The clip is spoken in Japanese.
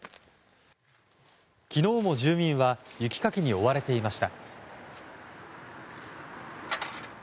昨日も住民は雪かきに追われました。